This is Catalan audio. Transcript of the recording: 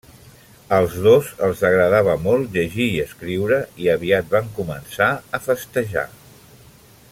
Als dos els agradava molt llegir i escriure i aviat van començar a festejar.